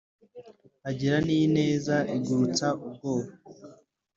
agira n'ineza igurutsa ubworo